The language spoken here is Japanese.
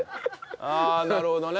ああなるほどね。